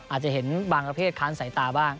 อาจจะเห็นบางประเภทค้านสายตาบ้าง